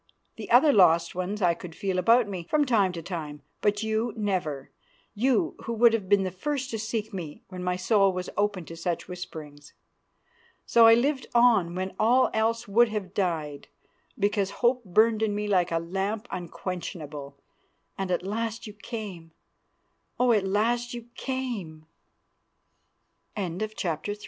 The other lost ones I could feel about me from time to time, but you never, you who would have been the first to seek me when my soul was open to such whisperings. So I lived on when all else would have died, because hope burned in me like a lamp unquenchable. And at last you came! Oh! at last you c